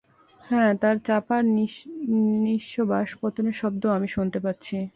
হ্যাঁ, তার চাপা নিশ্ববাস পতনের শব্দও আমি শুনতে পাচ্ছি।